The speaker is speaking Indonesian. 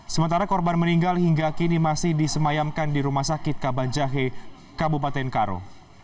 sementara korban meninggal hingga kini masih disemayamkan di rumah sakit kabanjahe kabupaten karo